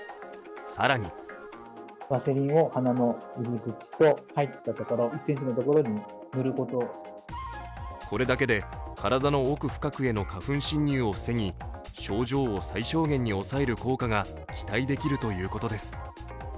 更にこれだけで体の奥深くへの花粉侵入を防ぎ症状を最小限に抑える効果が期待できるということです。